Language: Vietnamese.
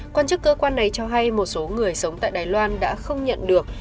quan chức cơ quan này cho hay một số người sống tại đài loan đã không nhận được